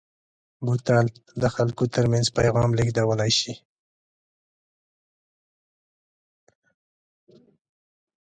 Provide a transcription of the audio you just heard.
بوتل د خلکو ترمنځ پیغام لېږدولی شي.